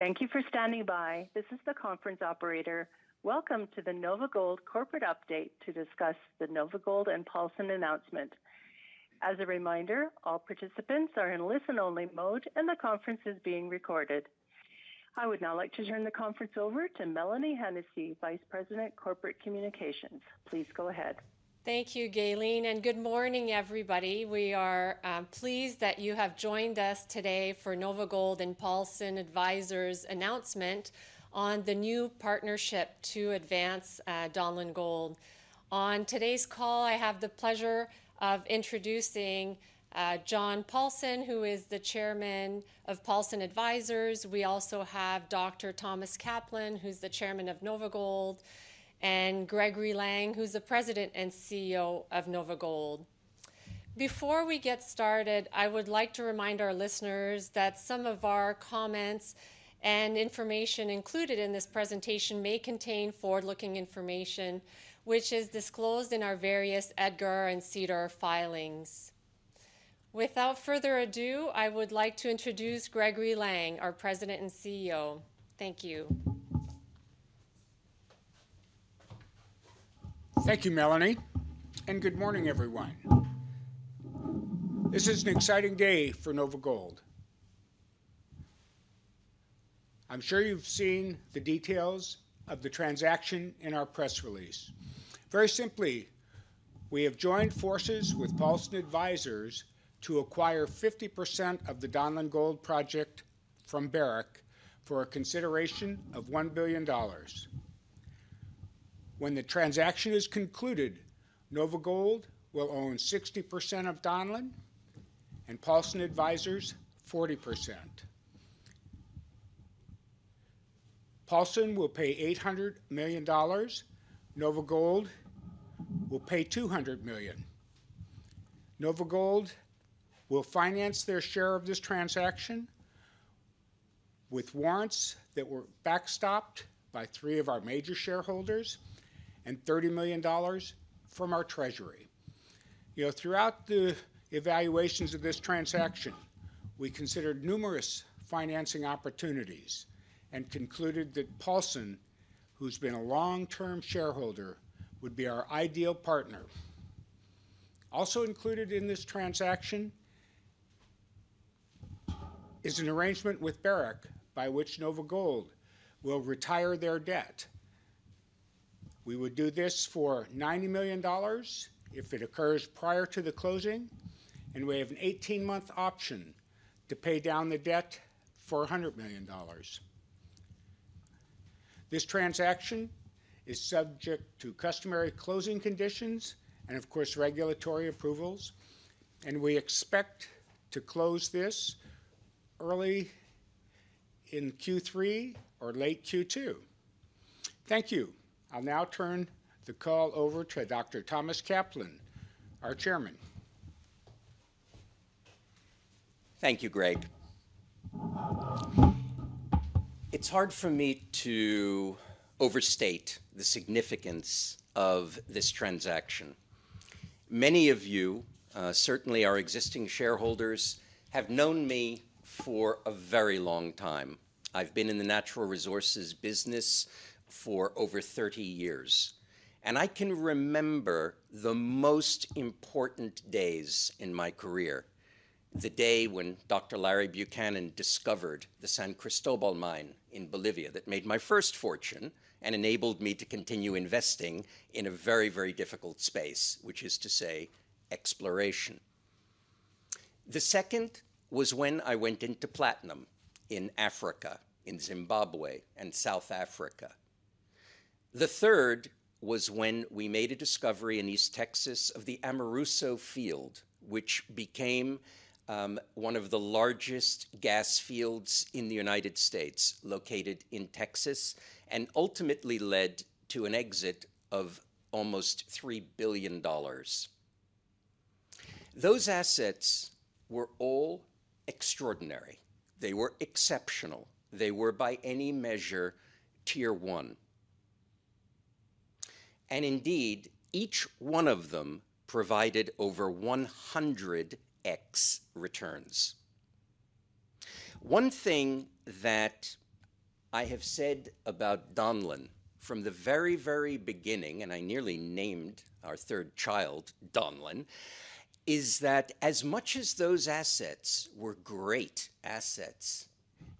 Thank you for standing by. This is the conference operator. Welcome to the NOVAGOLD corporate update to discuss the NOVAGOLD and Paulson announcement. As a reminder, all participants are in listen only mode and the conference is being recorded. I would now like to turn the conference over to Mélanie Hennessey, Vice President, Corporate Communications. Please go ahead. Thank you, Gaylene. Good morning everybody. We are pleased that you have joined us today for NOVAGOLD and Paulson Advisors announcement on the new partnership to advance Donlin Gold. On today's call, I have the pleasure of introducing John Paulson who is the Chairman of Paulson Advisors. We also have Dr. Thomas Kaplan, who's the Chairman of NOVAGOLD, and Gregory Lang, who's the President and CEO of NOVAGOLD.Before we get started, I would like to remind our listeners that some of our comments and information included in this presentation may contain forward-looking information which is disclosed in our various EDGAR and SEDAR filings. Without further ado, I would like to introduce Gregory Lang, our President and CEO. Thank you. Thank you, Mélanie. And good morning everyone. This is an exciting day for NOVAGOLD. I'm sure you've seen the details of the transaction in our press release. Very simply, we have joined forces with Paulson Advisors to acquire 50% of the Donlin Gold project from Barrick for a consideration of $1 billion. When the transaction is concluded, NOVAGOLD will own 60% of Donlin and Paulson Advisors 40%. Paulson will pay $800 million. NOVAGOLD will pay $200 million. NOVAGOLD will finance their share of this transaction with warrants that were backstopped by three of our major shareholders and $30 million from our treasury. You know, throughout the evaluations of this transaction, we considered numerous financing opportunities and concluded that Paulson, who's been a long term shareholder, would be our ideal partner. Also included in this transaction is an arrangement with Barrick by which NOVAGOLD will retire their debt. We would do this for $90 million if it occurs prior to the closing. We have an 18 month option to pay down the debt for $100 million. This transaction is subject to customary closing conditions and, of course, regulatory approvals. We expect to close this early in Q3 or late Q2. Thank you. I'll now turn the call over to Dr. Thomas Kaplan, our Chairman. Thank you, Greg. It's hard for me to overstate the significance of this transaction. Many of you, certainly our existing shareholders, have known me for a very long time. I've been in the natural resources business for over 30 years and I can remember the most important days in my career. The day when Dr. Larry Buchanan discovered the San Cristobal mine in Bolivia, that made my first fortune and enabled me to continue investing in a very, very difficult space, which is to say exploration. The second was when I went into platinum in Africa, in Zimbabwe and South Africa. The third was when we made a discovery in East Texas of the Amoruso field, which became one of the largest gas fields in the United States, located in Texas, and ultimately led to an exit of almost $3 billion. Those assets were all extraordinary. They were exceptional. They were by any measure tier one. And indeed each one of them provided over 100x returns. One thing that I have said about Donlin from the very, very beginning, and I nearly named our third child Donlin, is that as much as those assets were great assets,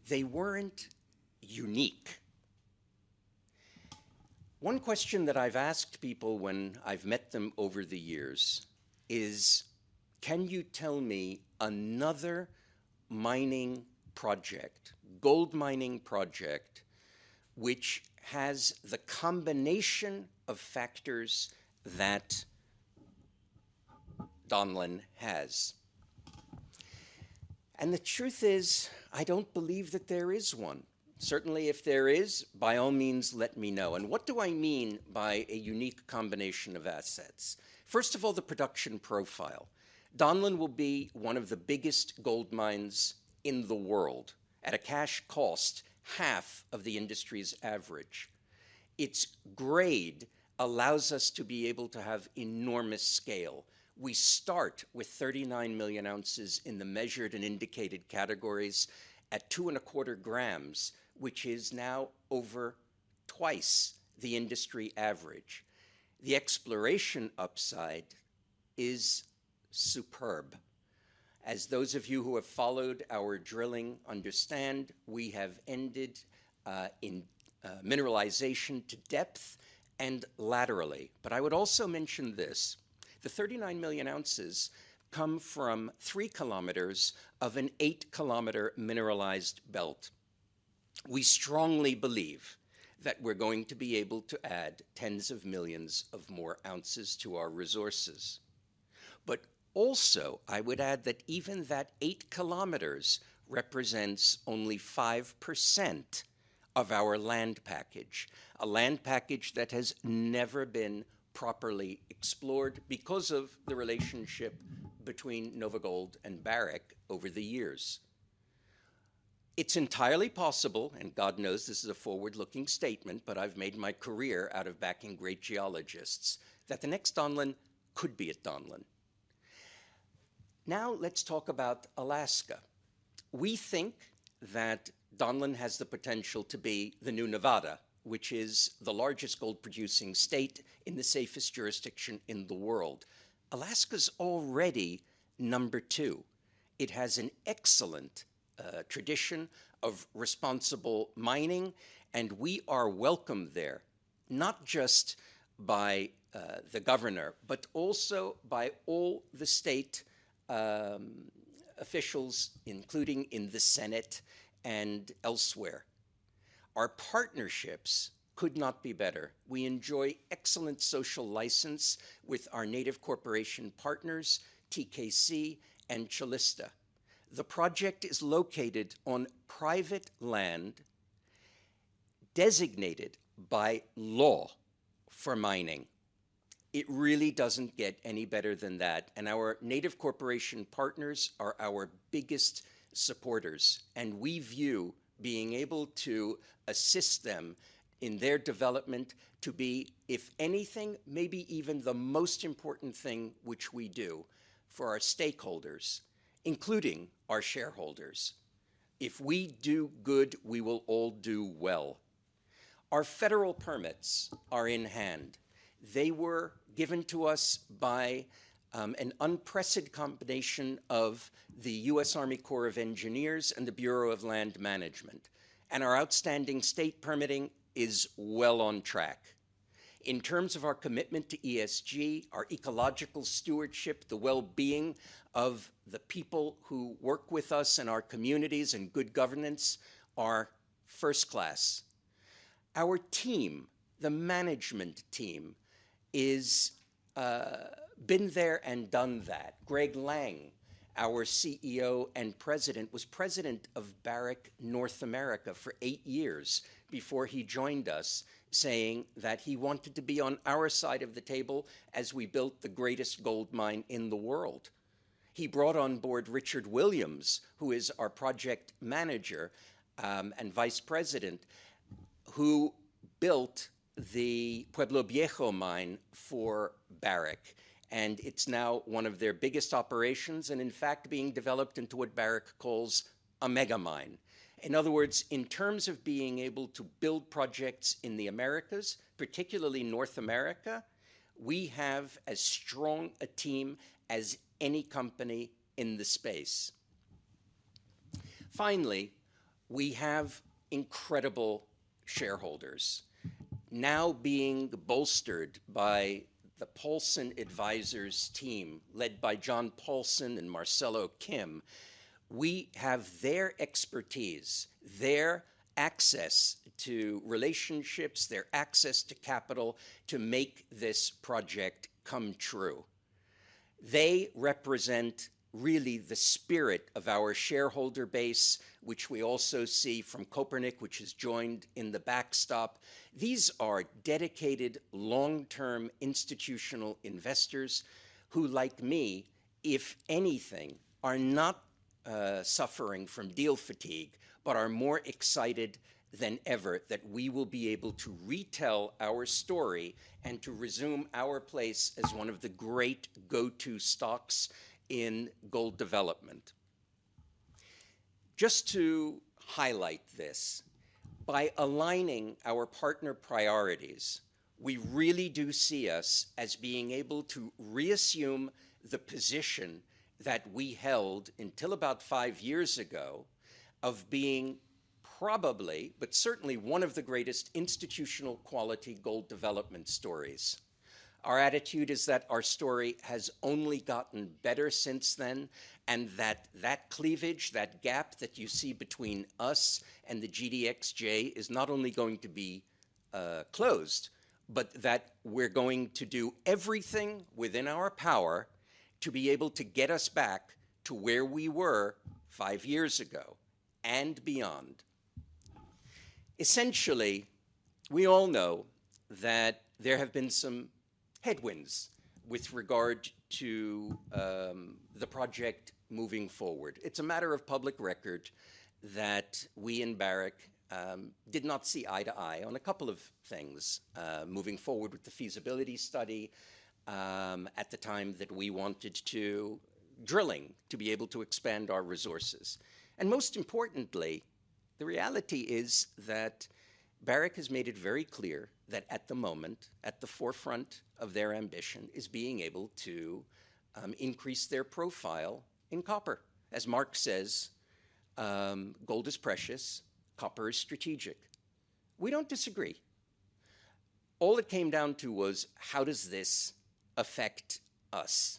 they were not unique. One question that I have asked people when I have met them over the years is can you tell me another mining project, gold mining project, which has the combination of factors that Donlin has? The truth is I do not believe that there is one. Certainly, if there is, by all means let me know. What do I mean by a unique combination of assets? First of all, the production profile. Donlin will be one of the biggest gold mines in the world, at a cash cost half of the industry's average. Its grade allows us to be able to have enormous scale. We start with 39 million ounces in the measured and indicated categories at 2.25 grams, which is now over twice the industry average. The exploration upside is superb. As those of you who have followed our drilling understand, we have ended in mineralization to depth and laterally. I would also mention this. The 39 million ounces come from three kms of an eight km mineralized belt. We strongly believe that we're going to be able to add tens of millions of more ounces to our resources. I would add that even that eight kms represents only 5% of our land package, a land package that has never been properly explored. Because of the relationship between NOVAGOLD and Barrick over the years. It's entirely possible and God knows this is a forward looking statement. But I've made my career out of backing great geologists that the next Donlin could be at Donlin. Now let's talk about Alaska. We think that Donlin has the potential to be the new Nevada, which is the largest gold producing state in the safest jurisdiction in the world. Alaska's already number two. It has an excellent tradition of responsible mining and we are welcomed there not just by the Governor but also by all the state officials, including in the Senate and elsewhere. Our partnerships could not be better. We enjoy excellent social license with our native corporation partners, TKC and Calista. The project is located on private land designated by law for mining. It really doesn't get any better than that and our Native corporation partners are our biggest supporters and we view being able to assist them in their development to be, if anything, maybe even the most important thing which we do for our stakeholders, including our shareholders. If we do good, we will all do well. Our federal permits are in hand. They were given to us by an unprecedented combination of the U.S. Army Corps of Engineers and the Bureau of Land Management. Our outstanding state permitting is well on track. In terms of our commitment to ESG, our ecological stewardship, the well-being of the people who work with us and our communities, and good governance are first class. Our team, the management team, has been there and done that. Greg Lang, our CEO and President, was President of Barrick North America for eight years before he joined us, saying that he wanted to be on our side of the table as we built the greatest gold mine in the world. He brought on board Richard Williams, who is our Project Manager and Vice President, who built the Pueblo Viejo mine for Barrick, and it is now one of their biggest operations and in fact being developed into what Barrick calls a megamine. In other words, in terms of being able to build projects in the Americas, particularly North America, we have as strong a team as any company in the space. Finally, we have incredible shareholders now being bolstered by the Paulson & Co. team led by John Paulson and Marcelo Kim. We have their expertise, their access to relationships, their access to capital to make this project come true. They represent really the spirit of our shareholder base which we also see from Kopernik which has joined in the backstop. These are dedicated long term institutional investors who like me, if anything, are not suffering from deal fatigue but are more excited than ever that we will be able to retell our story and to resume our place as one of the great go to stocks in gold development. Just to highlight this, by aligning our partner priorities, we really do see us as being able to reassume the position that we held until about five years ago of being probably, but certainly one of the greatest institutional quality gold development stories. Our attitude is that our story has only gotten better since then and that that cleavage, that gap that you see between us and the GDXJ is not only going to be closed, but that we're going to do everything within our power to be able to get us back to where we were five years ago and beyond, essentially. We all know that there have been some headwinds with regard to the project moving forward. It's a matter of public record that we and Barrick did not see eye to eye on a couple of things moving forward with the feasibility study at the time that we wanted to drilling to be able to expand our resources. Most importantly, the reality is that Barrick has made it very clear that at the moment at the forefront of their ambition is being able to increase their profile in copper. As Mark says, gold is precious, copper is strategic. We do not disagree. All it came down to was how does this affect us?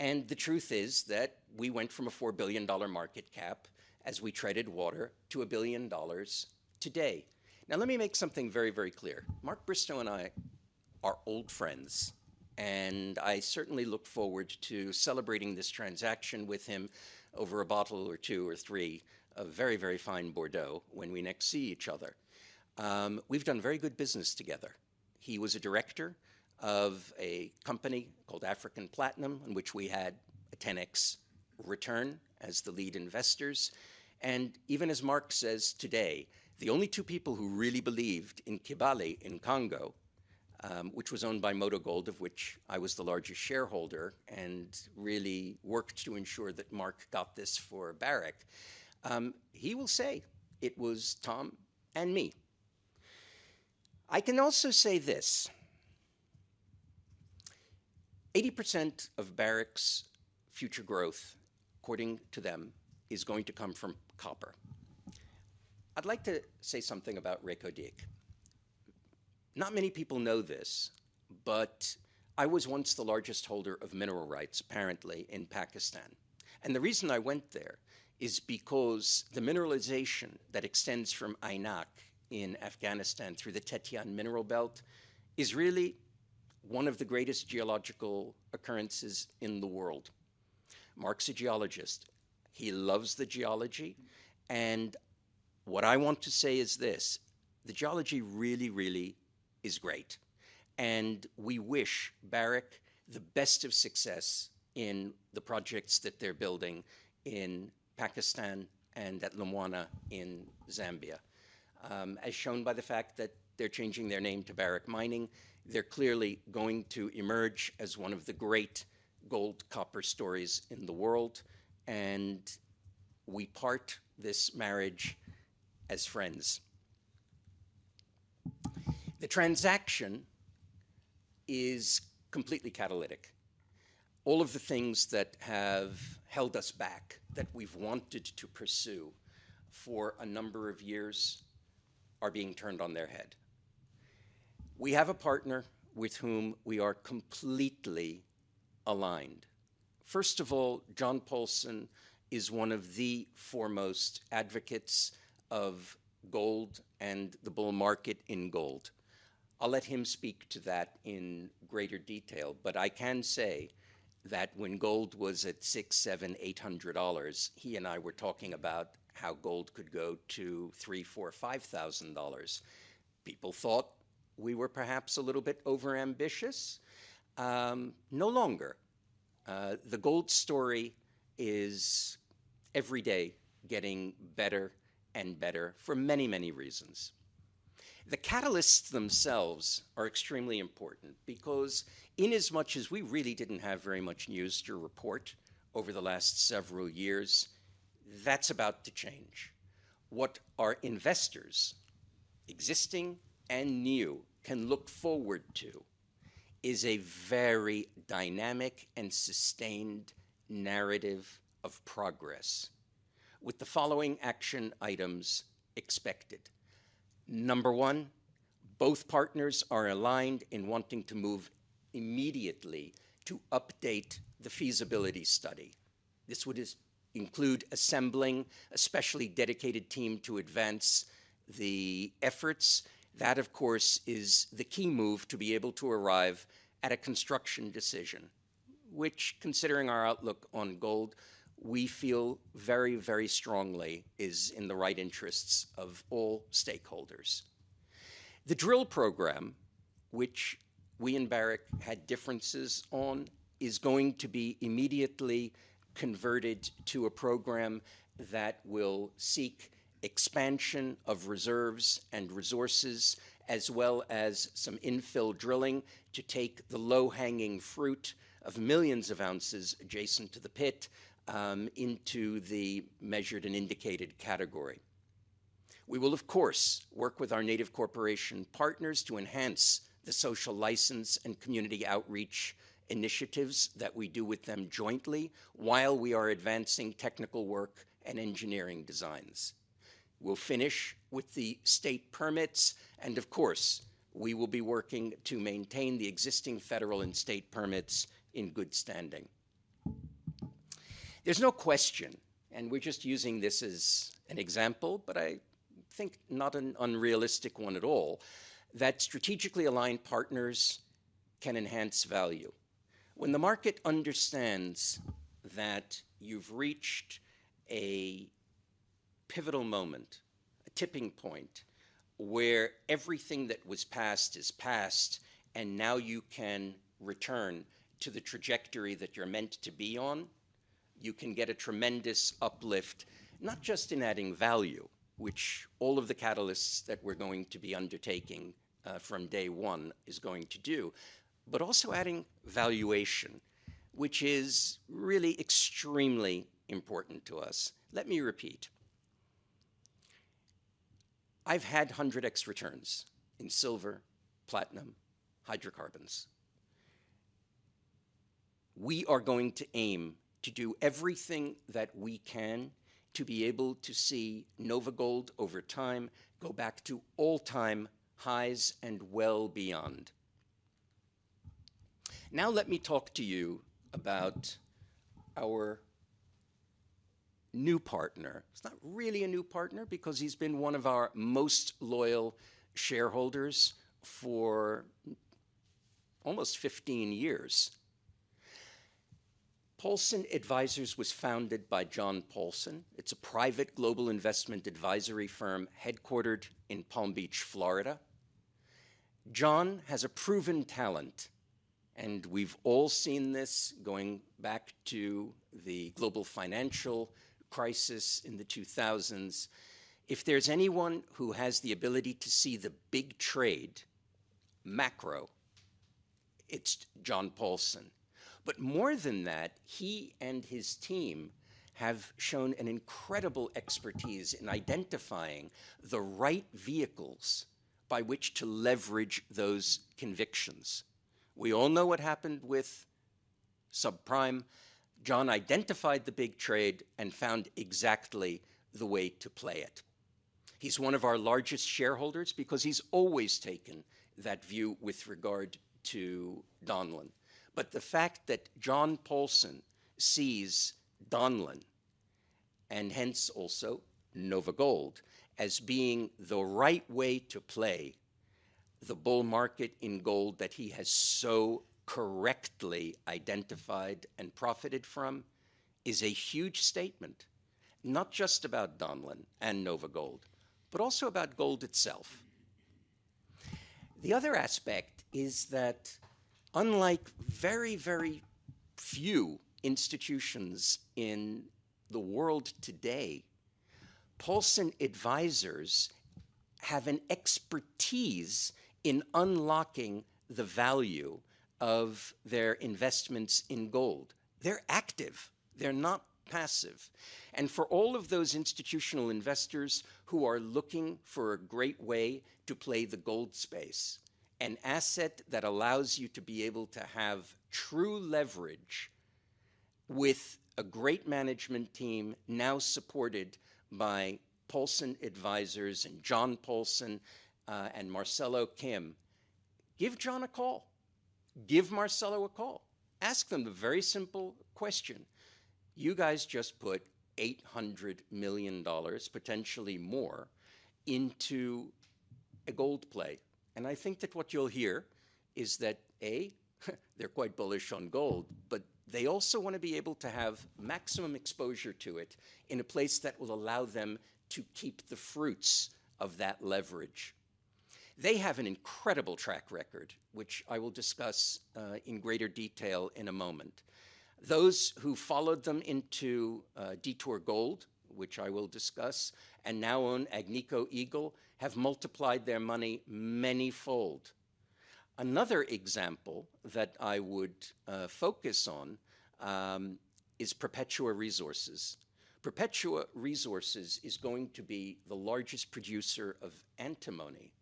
The truth is that we went from a $4 billion market cap as we treaded water to a billion dollars today. Now, let me make something very, very clear. Mark Bristow and I are old friends and I certainly look forward to celebrating this transaction with him over a bottle or two or three of very, very fine Bordeaux when we next see each other. We have done very good business together. He was a director of a company called African Platinum in which we had a 10x return as the lead investors. Even, as Mark says today, the only two people who really believed in Kibali in Congo, which was owned by Moto Gold Mines, of which I was the largest shareholder, and really worked to ensure that Mark got this for Barrick. He will say it was Tom and me. I can also say this. 80% of Barrick's future growth, according to them, is going to come from copper. I'd like to say something about Reko Diq. Not many people know this, but I was once the largest holder of mineral rights, apparently in Pakistan. The reason I went there is because the mineralization that extends from Aynak in Afghanistan through the Tethyan Mineral belt and is really one of the greatest geological occurrences in the world. Mark's a geologist. He loves the geology. What I want to say is this. The geology really, really is great. We wish Barrick the best of success in the projects that they're building in Pakistan and at Lumwana in Zambia, as shown by the fact that they're changing their name to Barrick Mining. They're clearly going to emerge as one of the great gold copper stories in the world. We part this marriage as friends. The transaction is completely catalytic. All of the things that have held us back, that we've wanted to pursue for a number of years are being turned on their head. We have a partner with whom we are completely aligned. First of all, John Paulson is one of the foremost advocates of gold and the bull market in gold. I'll let him speak to that in greater detail. I can say that when gold was at $600, $700, $800, he and I were talking about how gold could go to $3,000, $4,000, $5,000. People thought we were perhaps a little bit overambitious. No longer. The gold story is every day getting better and better for many, many reasons. The catalysts themselves are extremely important because in as much as we really did not have very much news to report over the last several years, that is about to change. What our investors, existing and new, can look forward to is a very dynamic and sustained narrative of progress with the following action items expected. Number one, both partners are aligned in wanting to move immediately to update the feasibility study. This would include assembling a specially dedicated team to advance the efforts. That of course is the key move to be able to arrive at a construction decision which, considering our outlook on gold, we feel very, very strongly is in the right interests of all stakeholders. The drill program, which we and Barrick had differences on, is going to be immediately converted to a program that will seek expansion of reserves and resources as well as some infill drilling to take the low hanging fruit of millions of ounces adjacent to the pit into the measured and indicated category. We will of course work with our native corporation partners to enhance the social license and community outreach initiatives that we do with them jointly while we are advancing technical work and engineering designs. We will finish with the state permits and of course we will be working to maintain the existing federal and state permits in good standing. There's no question, and we're just using this as an example, but I think not an unrealistic one at all, that strategically aligned partners can enhance value. When the market understands that you've reached a pivotal moment, a tipping point where everything that was passed is passed and now you can return to the trajectory that you're meant to be on. You can get a tremendous uplift, not just in adding value, which all of the catalysts that we're going to be undertaking from day one is going to do. Also adding valuation, which is really extremely important to us. Let me repeat, I've had 100x returns in silver, platinum, hydrocarbons. We are going to aim to do everything that we can to be able to see NOVAGOLD over time go back to all time highs and well beyond. Now let me talk to you about our new partner. It's not really a new partner because he's been one of our most loyal shareholders for almost 15 years. Paulson & Co. was founded by John Paulson. It's a private global investment advisory firm headquartered in Palm Beach, Florida. John has a proven talent, and we've all seen this going back to the global financial crisis in the 2000s. If there's anyone who has the ability to see the big trade macro, it's John Paulson. More than that, he and his team have shown an incredible expertise in identifying the right vehicles by which to leverage those convictions. We all know what happened with subprime. John identified the big trade and found exactly what the way to play it. He's one of our largest shareholders because he's always taken that view with regard to Donlin. The fact that John Paulson sees Donlin, and hence also NOVAGOLD, as being the right way to play the bull market in gold that he has so correctly identified and profited from is a huge statement, not just about Donlin and NOVAGOLD, but also about gold itself. The other aspect is that unlike very, very few institutions in the world today, Paulson Advisors have an expertise in unlocking the value of their investments in gold. They are active, they are not passive. For all of those institutional investors who are looking for a great way to play the gold space, an asset that allows you to be able to have true leverage with a great management team, now supported by Paulson Advisors and John Paulson and Marcelo Kim, give John a call. Give Marcelo a call. Ask them the very simple question. You guys just put $800 million, potentially more, into a gold play. I think that what you'll hear is that, a, they're quite bullish on gold, but they also want to be able to have maximum exposure to it in a place that will allow them to keep the fruits of that leverage. They have an incredible track record, which I will discuss in greater detail in a moment. Those who followed them into Detour Gold, which I will discuss, and now own Agnico Eagle, have multiplied their money many fold. Another example that I would focus on is Perpetua Resources. Perpetua Resources is going to be the largest producer of antimony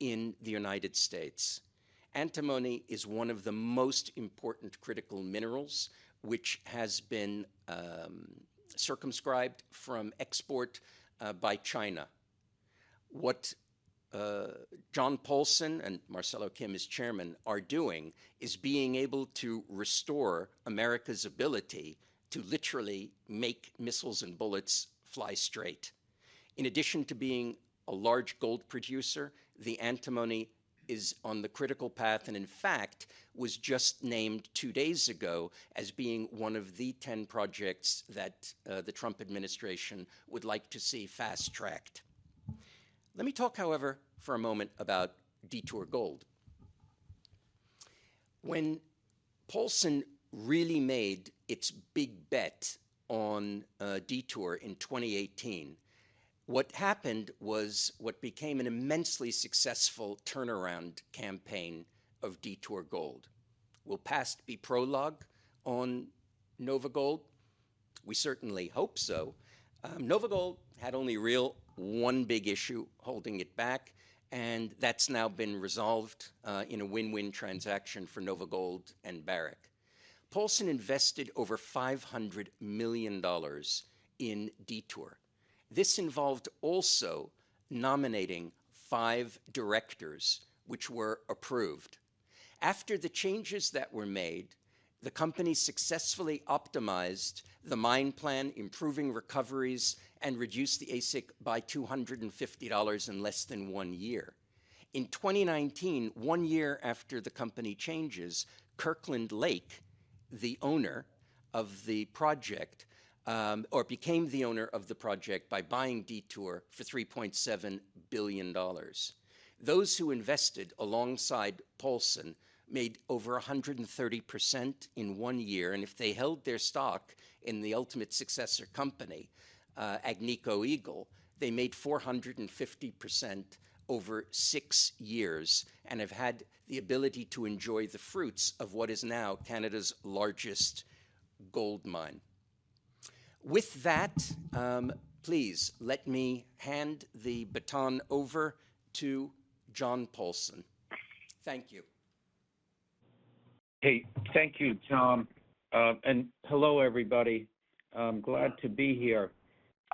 in the United States. Antimony is one of the most important critical minerals which has been circumscribed from export by China. What John Paulson and Marcelo Kim as chairman are doing is being able to restore America's ability and to literally make missiles and bullets fly straight. In addition to being a large gold producer, the antimony is on the critical path and in fact was just named two days ago as being one of the 10 projects that the Trump administration would like to see fast tracked. Let me talk however for a moment about Detour Gold. When Paulson really made its big bet on Detour in 2018, what happened was what became an immensely successful turnaround campaign of Detour Gold. Will past be prologue on NOVAGOLD? We certainly hope so. NOVAGOLD had only one big issue holding it back and that's now been resolved in a win win transaction for NOVAGOLD and Barrick. Paulson invested over $500 million in Detour. This involved also nominating five directors which were approved. After the changes that were made, the company successfully optimized the mine plan, improving recoveries and reduced the AISC by $250 in less than one year. In 2019, one year after the company changes, Kirkland Lake, the owner of the project or became the owner of the project by buying Detour Gold for $3.7 billion. Those who invested alongside Paulson made over 130% in one year. If they held their stock in the ultimate successor company, Agnico Eagle, they made 450% over six years and have had the ability to enjoy the fruits of what is now Canada's largest gold mine. With that, please let me hand the baton over to John Paulson. Thank you. Hey, thank you Tom. Hello everybody. I'm glad to be here.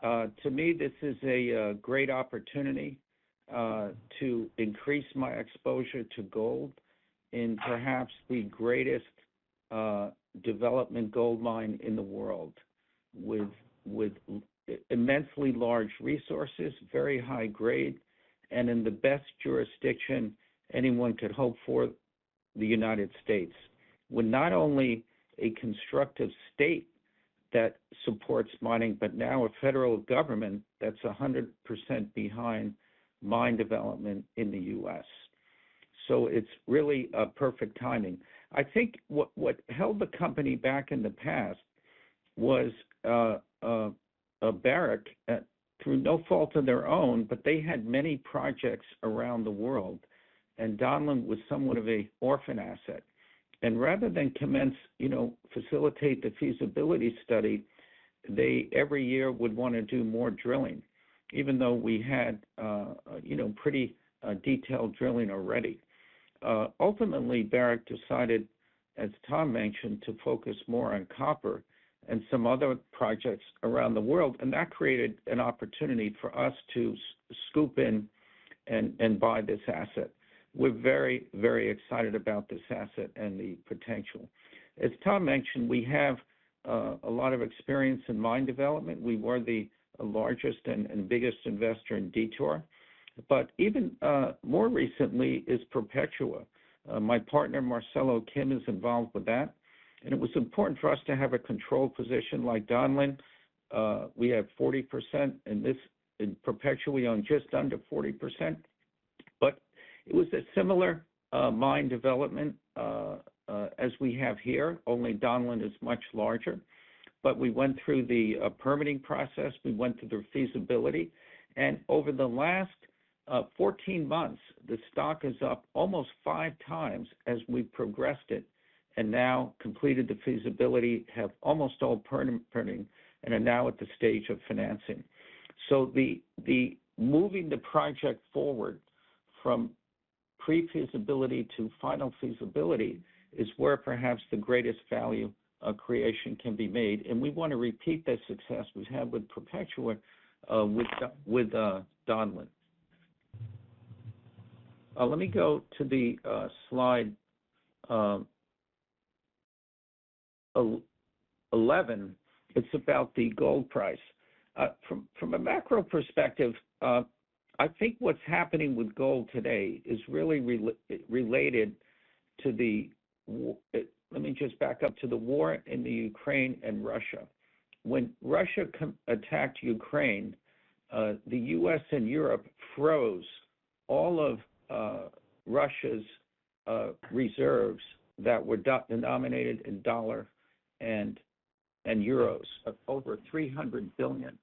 To me, this is a great opportunity to increase my exposure to gold in perhaps the greatest development gold mine in the world with immensely large resources, very high grade and in the best jurisdiction anyone could hope for, the United States, when not only a constructive state that supports mining, but now a federal government that's 100% behind mine development in the U.S. so it's really a perfect timing. I think what held the company back in the past was Barrick, through no fault of their own, but they had many projects around the world and Donlin was somewhat of an orphan asset and rather than commence, you know, facilitate the feasibility study, they every year would want to do more drilling even though we had, you know, pretty detailed drilling already. Ultimately, Barrick decided, as Tom mentioned, to focus more on copper and some other projects around the world. That created an opportunity for us to scoop in and buy this asset. We're very, very excited about this asset and the potential. As Tom mentioned, we have a lot of experience in mine development. We were the largest and biggest investor in Detour, but even more recently is Perpetua, my partner Marcelo Kim is involved with that. It was important for us to have a controlled position like Donlin. We have 40% and this perpetually on just under 40%. It was a similar mine development as we have here, only Donlin is much larger. We went through the permitting process, we went through the feasibility, and over the last 14 months, the stock is up almost five times as we progressed it and now completed the feasibility, have almost all permitting and are now at the stage of financing. Moving the project forward from pre feasibility to final feasibility is where perhaps the greatest value creation can be made. We want to repeat the success we've had with Perpetua, with Donlin. Let me go to the slide 11. It's about the gold price from a macro perspective. I think what's happening with gold today is really related to the—let me just back up to the war in Ukraine and Russia. When Russia attacked Ukraine, the U.S. and Europe froze all of Russia's reserves that were denominated in dollar and euros, over $300 billion.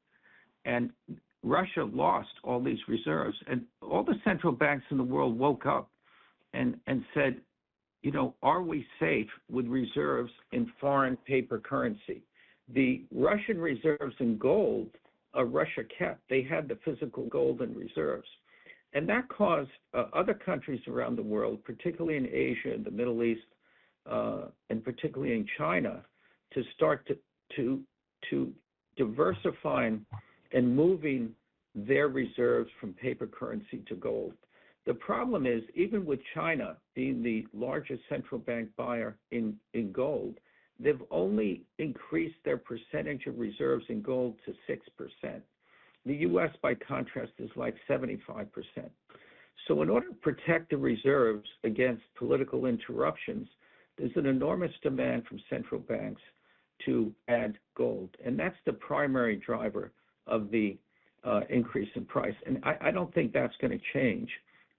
Russia lost all these reserves. All the central banks in the world woke up and said, are we safe with reserves in foreign paper currency? The Russian reserves and gold Russia kept, they had the physical gold in reserves. That caused other countries around the world, particularly in Asia and the Middle East, and particularly in China, to start diversifying and moving their reserves from paper currency to gold. The problem is, even with China being the largest central bank buyer in gold, they've only increased their percentage of reserves in gold to 6%. The U.S. by contrast, is like 75%. In order to protect the reserves against political interruptions, there is an enormous demand from central banks to add gold. That is the primary driver of the increase in price. I do not think that is going to change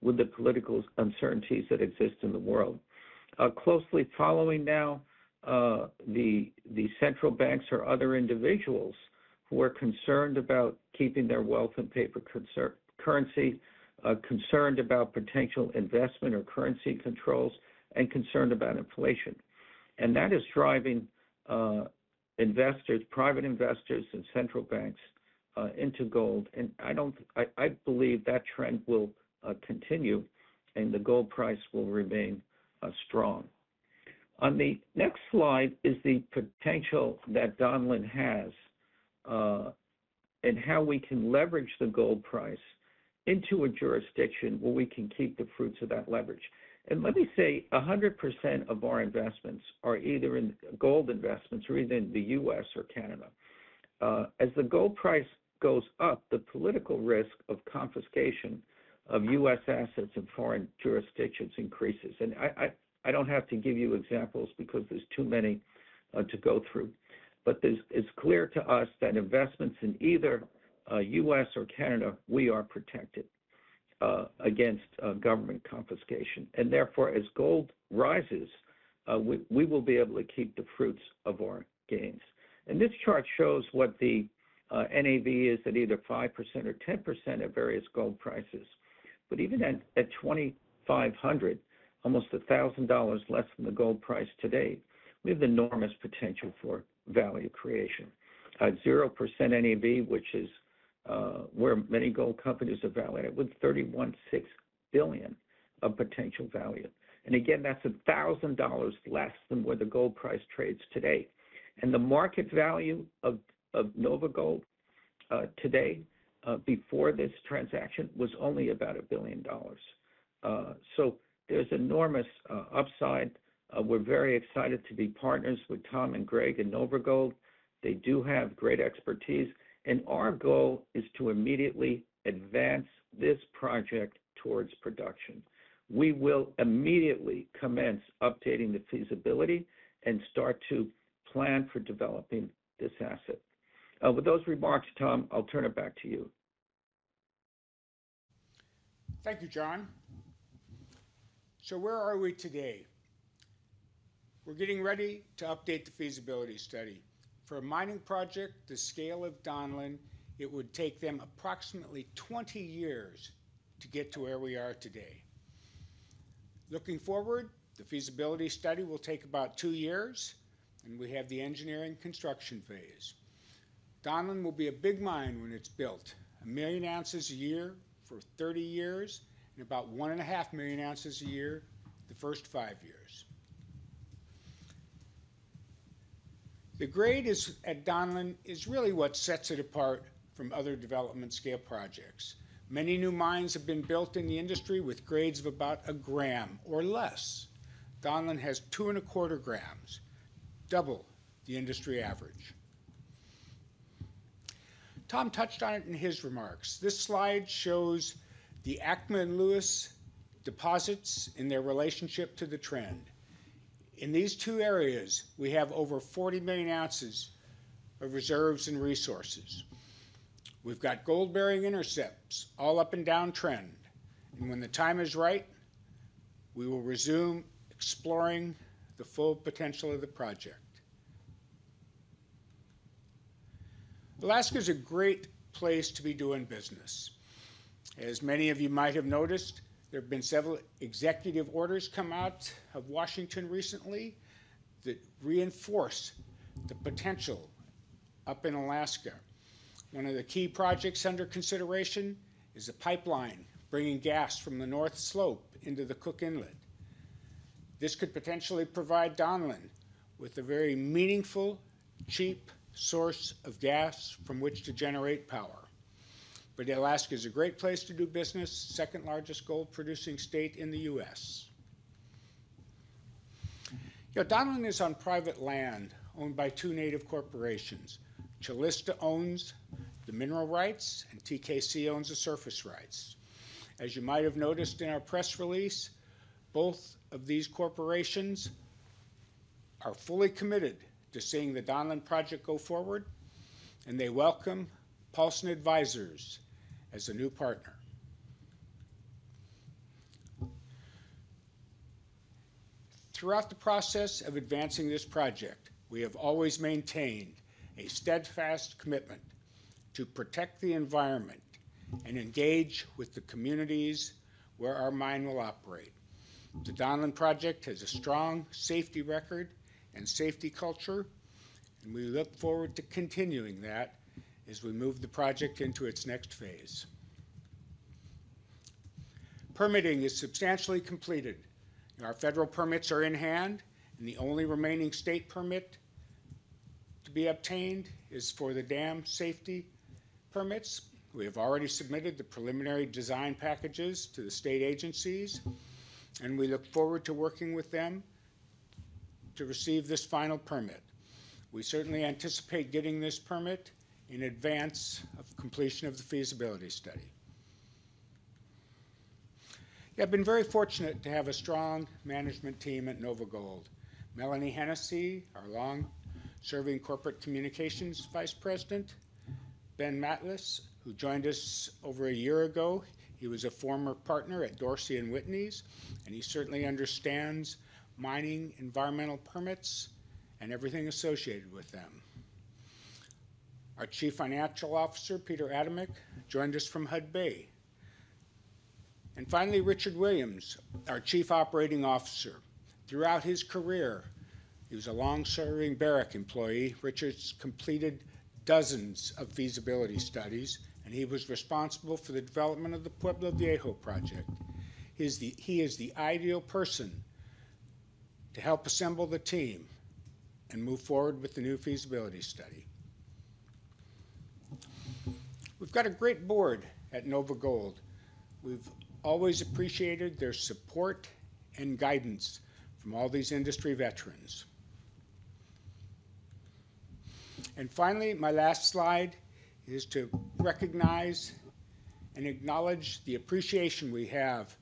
with the political uncertainties that exist in the world. Closely following now the central banks or other individuals who are concerned about keeping their wealth in paper currency, concerned about potential investment or currency controls, and concerned about inflation. That is driving investors, private investors and central banks into gold. I believe that trend will continue and the gold price will remain strong. On the next slide is the potential that Donlin has and how we can leverage the gold price into a jurisdiction where we can keep the fruits of that leverage. Let me say 100% of our investments are either in gold investments or even the U.S. or Canada. As the gold price goes up, the political risk of confiscation of U.S. assets in foreign jurisdictions increases. I do not have to give you examples because there are too many to go through. It is clear to us that investments in either U.S. For Canada, we are protected against government confiscation. Therefore, as gold rises, we will be able to keep the fruits of our gains. This chart shows what the NAV is at either 5% or 10% at various gold prices. Even at $2,500, almost $1,000 less than the gold price today, we have enormous potential for value creation. 0% NAV, which is where many gold companies are validated, with $31.6 billion of potential value. Again, that is $1,000 less than where the gold price trades today. The market value of NOVAGOLD today before this transaction was only about $1 billion. There is enormous upside. We are very excited to be partners with Tom and Greg in NOVAGOLD. They do have great expertise and our goal is to immediately advance this project towards production. We will immediately commence updating the feasibility and start to plan for developing this asset. With those remarks. Tom, I'll turn it back to you. Thank you, John. Where are we today? We're getting ready to update the feasibility study for a mining project. The scale of Donlin. It would take them approximately 20 years to get to where we are today. Looking forward, the feasibility study will take about two years. We have the engineering construction phase. Donlin will be a big mine when it's built, a million ounces a year for 30 years and about one and a half million ounces a year the first five years. The grade at Donlin is really what sets it apart from other development schedules projects. Many new mines have been built in the industry with grades of about a gram or less. Donlin has two and a quarter grams, double the industry average. Tom touched on it in his remarks. This slide shows the Acme and Lewis deposits in their relationship to the Trend in these two areas. We have over 40 million ounces of reserves and resources. We have got gold bearing intercepts all up and down trend. When the time is right we will resume exploring the full potential of the project. Alaska is a great place to be doing business. As many of you might have noticed, there have been several executive orders come out of Washington recently that reinforce the potential up in Alaska. One of the key projects under consideration is a pipeline bringing gas from the North Slope into the Cook Inlet. This could potentially provide Donlin with a very meaningful cheap source of gas from which to generate power. Alaska is a great place to do business. Second largest gold producing state in the U.S. Donlin is on private land owned by two Native corporations. Calista owns the mineral rights and TKC owns the surface rights. As you might have noticed in our press release, both of these corporations are fully committed to seeing the Donlin project go forward and they welcome Paulson Advisors, a new partner. Throughout the process of advancing this project, we have always maintained a steadfast commitment to protect the environment and engage with the communities where our mine will operate. The Donlin project has a strong safety record and safety culture and we look forward to continuing that as we move the project into its next phase. Permitting is substantially completed. Our federal permits are in hand and the only remaining state permit to be obtained is for the dam safety permits. We have already submitted the preliminary design packages to the state agencies and we look forward to working with them to receive this final permit. We certainly anticipate getting this permit in advance of completion of the feasibility study. I've been very fortunate to have a strong management team at NOVAGOLD. Mélanie Hennessey, our long serving Corporate Communications Vice President, Ben Machlis, who joined us over a year ago. He was a former partner at Dorsey & Whitney and he certainly understands mining, environmental permits and everything associated with them. Our Chief Financial Officer, Peter Adamek, joined us from Hudbay. Finally, Richard Williams, our Chief Operating Officer. Throughout his career he was a long serving Barrick employee. Richard's completed dozens of feasibility studies and he was responsible for the development of the Pueblo Viejo project. He is the ideal person to help assemble the team and move forward with the new feasibility study. We've got a great board at NOVAGOLD. We've always appreciated their support and guidance from all these industry veterans. Finally, my last slide is to recognize and acknowledge the appreciation we have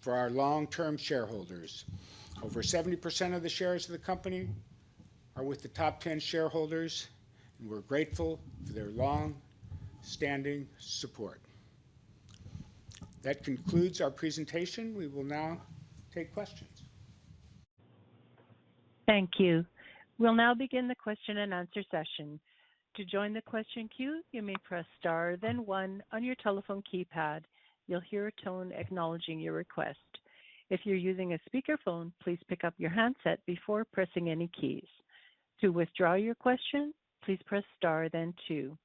for our long term shareholders. Over 70% of the shares of the company are with the top 10 shareholders and we're grateful for their long standing support. That concludes our presentation. We will now take questions. Thank you. We'll now begin the question and answer session. To join the question queue, you may press star then one. On your telephone keypad you'll hear a tone acknowledging your request. If you're using a speakerphone, please pick up your handset before pressing any keys. To withdraw your question, please press star then two.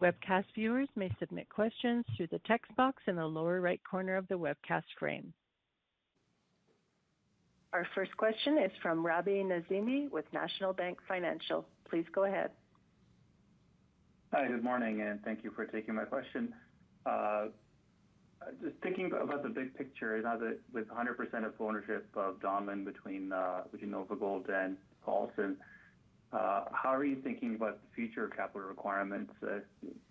Webcast viewers may submit questions through the text box in the lower right corner of the webcast frame. Our first question is from Rabi Nizami with National Bank Financial. Please go ahead. Hi, good morning and thank you for taking my question. Just thinking about the big picture with 100% of ownership of Donlin between NOVAGOLD and Paulson, how are you thinking about future capital requirements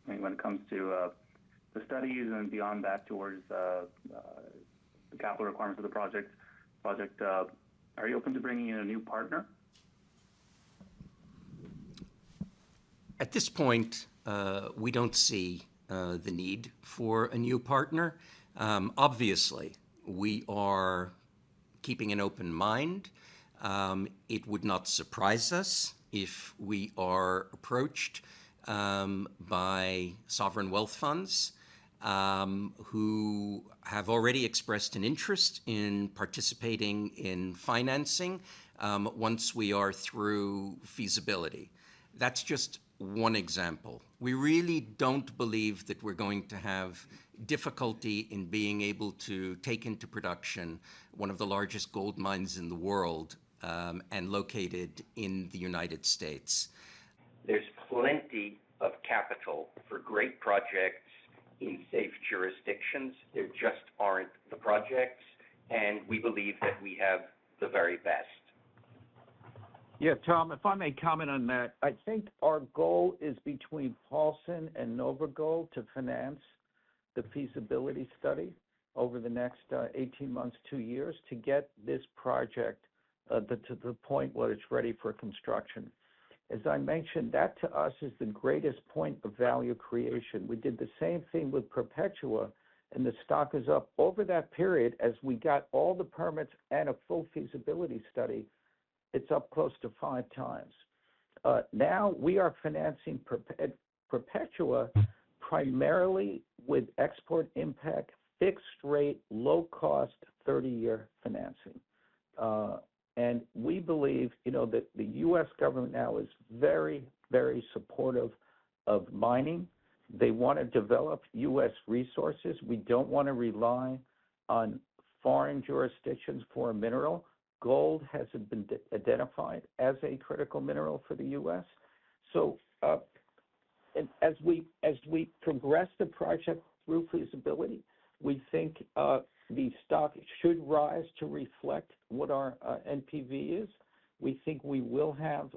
when it comes to the studies and beyond that, towards the capital requirements of the project? Are you open to bringing in a new partner? At this point, we don't see the need for a new partner. Obviously we are keeping an open mind. It would not surprise us if we are approached by sovereign wealth funds who have already expressed an interest in participating in financing once we are through feasibility. That's just one example. We really don't believe that we're going to have difficulty in being able to take into production one of the largest gold mines in the world and located in the United States. There's plenty of capital for great projects in safe jurisdictions. There just aren't the projects and we believe that we have the very best. Yeah, Tom, if I may comment on that, I think our goal is between Paulson and NOVAGOLD to finance the feasibility study over the next 18 months, two years, to get this project to the point where it's ready for construction. As I mentioned, that to us is the greatest point of value creation. We did the same thing with Perpetua. And the stock is up over that period. As we got all the permits and a full feasibility study, it's up close to five times now. We are financing Perpetually primarily with export impact, fixed rate, low cost, 30 year financing. And we believe that the U.S. government now is very, very supportive of mining. They want to develop U.S. resources. We don't want to rely on foreign jurisdictions for a mineral. Gold has been identified as a critical mineral for the U.S. As we progress the project through feasibility, we think the stock should rise to reflect what our NPV is. We think we will have,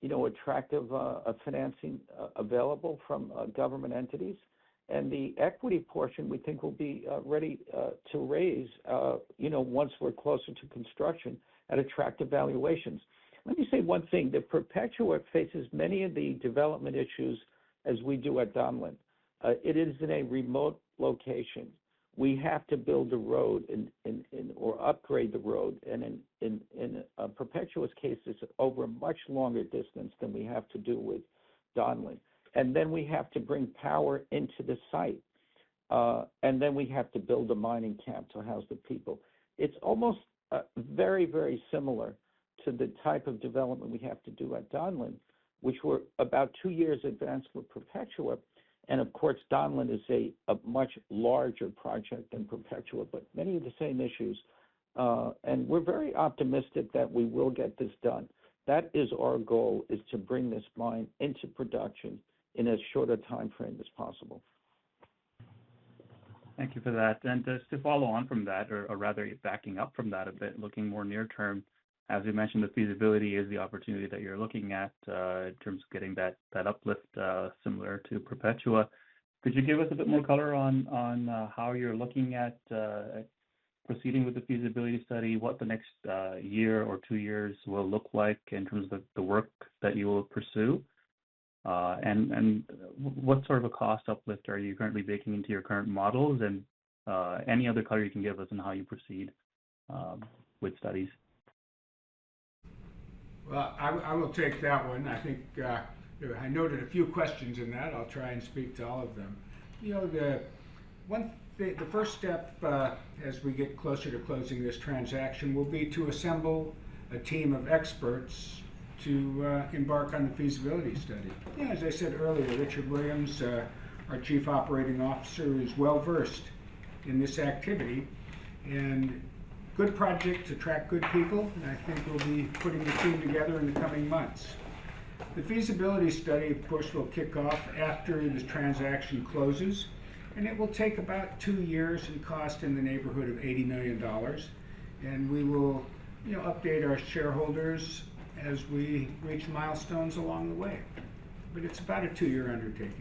you know, attractive financing available from government entities. The equity portion we think will be ready to raise, you know, once we're closer to construction at attractive valuations. Let me say one thing. Perpetua faces many of the development issues as we do at Donlin. It is in a remote location. We have to build a road or upgrade the road. In Perpetua's case, it is over a much longer distance than we have to do with Donlin. We have to bring power into the site and then we have to build a mining camp to house the people. It's almost very, very similar to the type of development we have to do at Donlin, which we're about two years advanced with Perpetua. Of course, Donlin is a much larger project than Perpetua. Many of the same issues. We are very optimistic that we will get this done. That is, our goal is to bring this mine into production in as short a timeframe as possible. Thank you for that. Just to follow on from that, or rather backing up from that a bit, looking more near term, as you mentioned, the feasibility is the opportunity that you're looking at in terms of getting that uplift similar to Perpetua. Could you give us a bit more color on how you're looking at proceeding with the feasibility study, what the next year or two years will look like in terms of the work that you will pursue and what sort of a cost uplift are you currently baking into your current models and any other color you can give us on how you proceed with studies? I think I noted a few questions in that. I'll try and speak to all of them. You know, the first step as we get closer to closing this transaction will be to assemble a team of experts to embark on the feasibility study. As I said earlier, Richard Williams, our Chief Operating Officer, is well versed in this activity and good projects attract good people. I think we'll be putting the team together in the coming months. The feasibility study, of course, will kick off after the transaction closes and it will take about two years, cost in the neighborhood of $80 million. We will update our shareholders as we reach milestones along the way. It's about a two year undertaking.